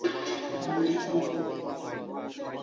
তিনি শিশিরকুমার ভাদুড়ীর সীতা নাটকের নৃত্য পরিচালক ছিলেন।